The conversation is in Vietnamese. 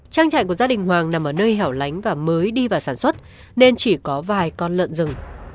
trang trại của gia đình hoàng nằm ở nơi hẻo lánh và mới đi vào sản xuất nên chỉ có vài con lợn rừng